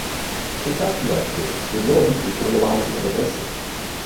Součástí léčby by mělo být informování o depresi.